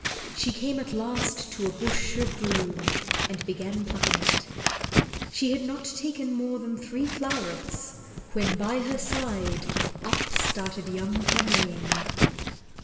She came at last to a bush of broom and began plucking it. She had not taken more than three flowerets when by her side up started young Tamlane.